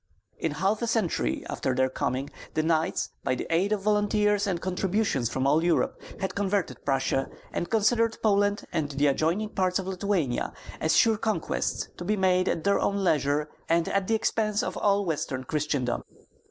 In half a century after their coming the knights, by the aid of volunteers and contributions from all Europe, had converted Prussia, and considered Poland and the adjoining parts of Lithuania as sure conquests to be made at their own leisure and at the expense of all Western Christendom.